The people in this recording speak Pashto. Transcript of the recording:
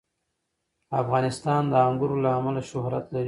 افغانستان د انګور له امله شهرت لري.